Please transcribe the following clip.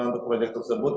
untuk proyek tersebut